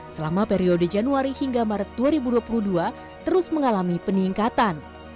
selama periode januari hingga maret dua ribu dua puluh dua terus mengalami peningkatan